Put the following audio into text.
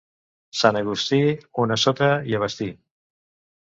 Sant Agustí, una sota i a vestir.